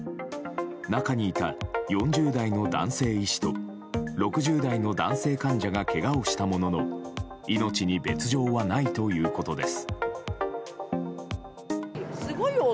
中にいた、４０代の男性医師と６０代の男性患者がけがをしたものの命に別条はないということです。